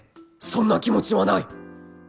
そんな気持ちはない！